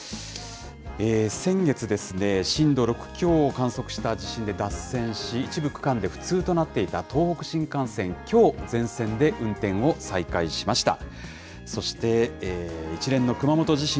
先月、震度６強を観測した地震で脱線し、一部区間で不通となっていた東北新幹線、きょう全線で運転を再開しました。